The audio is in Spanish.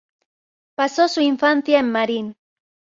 Pasó su infancia en Marín.